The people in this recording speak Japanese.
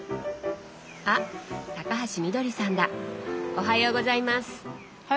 おはようございます。